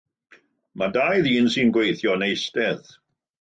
Mae dau ddyn sy'n gweithio'n eistedd.